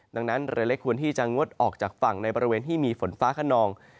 ดังนั้นเรือเล็กควรที่จะงดออกจากฝั่งในบริเวณที่มีฝนฟ้าขนอง